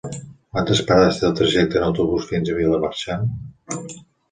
Quantes parades té el trajecte en autobús fins a Vilamarxant?